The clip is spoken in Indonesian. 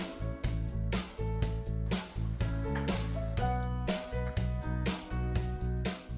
teknik membuat brownies nangka